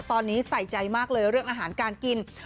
ตอนนี้ใส่ใจมากเลยเรื่องอาหารการกิน